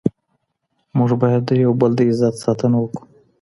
موږ باید د یو بل د عزت ساتنه وکړو.